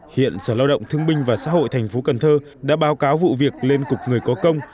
hiện sở lao động thương binh và xã hội tp cn đã báo cáo vụ việc lên cục người có công